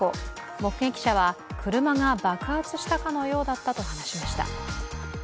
目撃者は車が爆発したかのようだったと話しました。